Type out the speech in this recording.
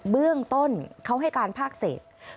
เบื้องต้นเขาให้การภาคเศษ